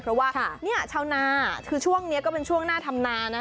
เพราะว่าชาวนาคือช่วงนี้ก็เป็นช่วงหน้าทำนานะ